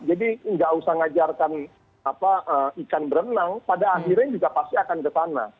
jadi nggak usah ngajarkan ikan berenang pada akhirnya juga pasti akan ke sana